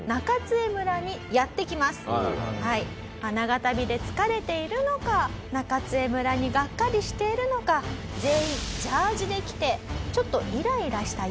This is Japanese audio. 長旅で疲れているのか中津江村にがっかりしているのか全員ジャージーで来てちょっとイライラした様子でした。